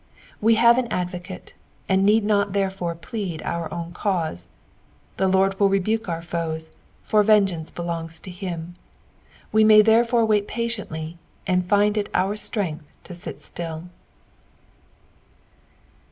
Ws have an advocate, and need not therefore plead our own cause. The Lord will rebuke our foes, for venjfeance belongs to him ; we may therefore wait patientl; and Snd it our strength to sit still.